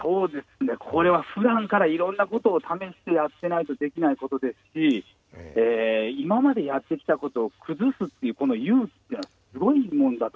☎これはふだんからいろんな事を試してやってないとできない事ですし今までやってきた事を崩すっていうこの勇気っていうのはすごいものだと思うんですよね。